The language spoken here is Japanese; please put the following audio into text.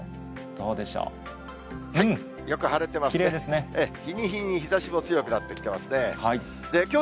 どうでしょう。